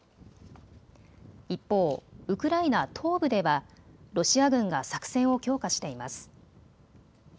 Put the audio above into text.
一方、ウクライナ東部ではロシア軍が作戦を強化しています。